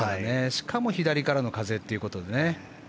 しかも左からの風ということでね。